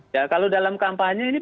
ya kalau dalam kampanye ini